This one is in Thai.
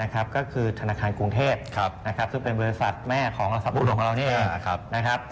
ก็คือธนาคารกรุงเทพซึ่งเป็นบริษัทแม่ของอาสับปุ่นของเรานี่เอง